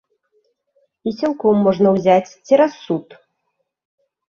І сілком можна ўзяць, цераз суд.